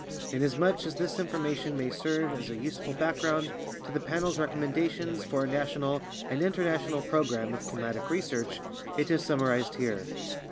Inasmuch as this information may serve as a useful background to the Panel's recommendations for a national and inter national program of climatic research, it is summarized here.